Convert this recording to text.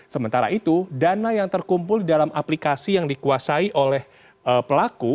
sementara itu dana yang terkumpul dalam aplikasi yang dikuasai oleh pelaku